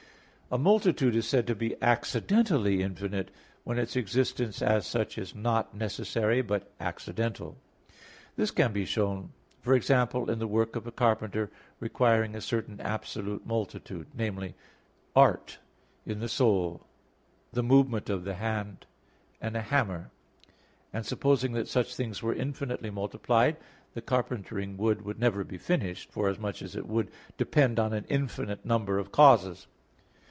A multitude is said to be accidentally infinite when its existence as such is not necessary, but accidental. This can be shown, for example, in the work of a carpenter requiring a certain absolute multitude; namely, art in the soul, the movement of the hand, and a hammer; and supposing that such things were infinitely multiplied, the carpentering work would never be finished, forasmuch as it would depend on an infinite number of causes.